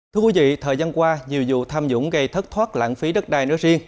thưa quý vị thời gian qua nhiều vụ tham dũng gây thất thoát lãng phí đất đai nơi riêng